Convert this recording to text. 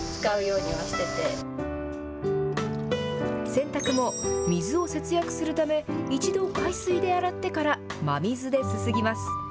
洗濯も水を節約するため一度、海水で洗ってから真水ですすぎます。